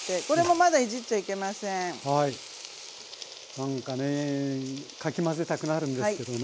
なんかねかき混ぜたくなるんですけどね。